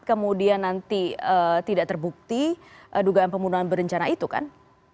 kemudian nanti tidak terbukti dugaan pembunuhan berencana itu kan